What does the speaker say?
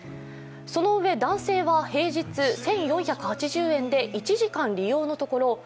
そのうえ男性は平日１４８０円で１時間利用のところ